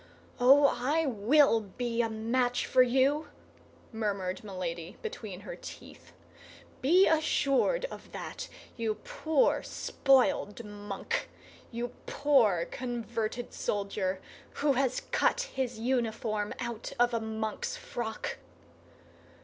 "Oh, I will be a match for you!" murmured Milady, between her teeth; "be assured of that, you poor spoiled monk, you poor converted soldier, who has cut his uniform out of a monk's frock!"